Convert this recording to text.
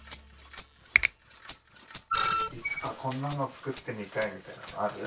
いつかこんなのつくってみたいみたいなのある？